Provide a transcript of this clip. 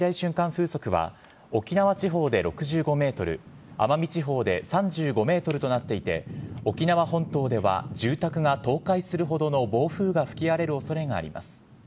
風速は、沖縄地方で６５メートル、奄美地方で３５メートルとなっていて、沖縄本島では住宅が倒壊するほどの暴風が吹き荒れるおそれがあります。